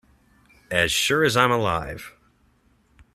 As sure as I am alive.